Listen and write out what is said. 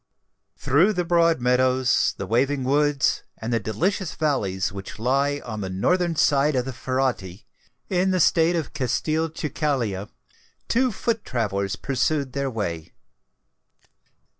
Through the broad meadows, the waving woods, and the delicious valleys which lie on the northern side of the Ferretti, in the State of Castelcicala, two foot travellers pursued their way.